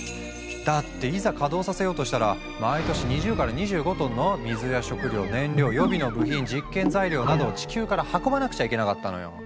だっていざ稼働させようとしたら毎年２０から２５トンの水や食料燃料予備の部品実験材料などを地球から運ばなくちゃいけなかったのよ。